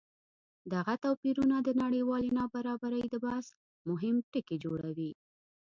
دغه توپیرونه د نړیوالې نابرابرۍ د بحث مهم ټکی جوړوي.